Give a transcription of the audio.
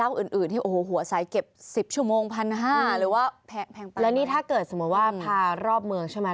แล้วนี่ถ้าเกิดสมมุติว่าพารอบเมืองใช่ไหม